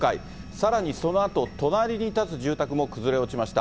さらにそのあと、隣に建つ住宅も崩れ落ちました。